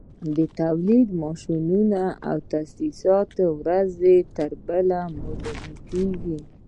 د تولید ماشینونه او تاسیسات ورځ تر بلې مډرن کېږي